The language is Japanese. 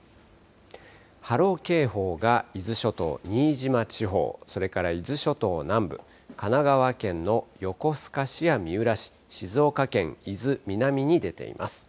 波浪警報が伊豆諸島、新島地方、それから伊豆諸島南部、神奈川県の横須賀市や三浦市、静岡県伊豆南に出ています。